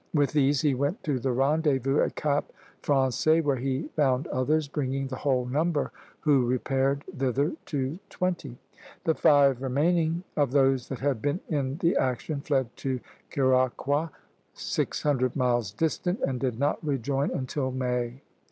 With these he went to the rendezvous at Cap Français, where he found others, bringing the whole number who repaired thither to twenty. The five remaining, of those that had been in the action, fled to Curaçoa, six hundred miles distant, and did not rejoin until May.